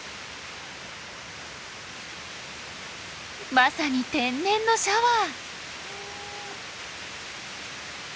まさに天然のシャワー！